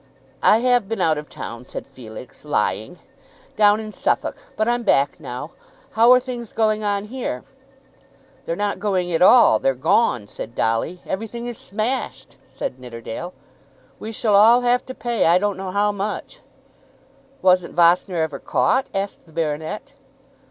"I have been out of town," said Felix, lying; "down in Suffolk. But I'm back now. How are things going on here?" "They're not going at all; they're gone," said Dolly. "Everything is smashed," said Nidderdale. "We shall all have to pay, I don't know how much." "Wasn't Vossner ever caught?" asked the baronet.